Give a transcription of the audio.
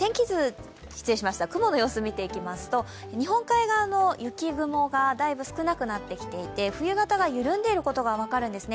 雲の様子を見ていきますと日本海側の雪雲がだいぶ少なくなってきていて冬型が緩んでいることが分かるんですね。